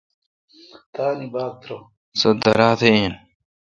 سو درا تہ اہن۔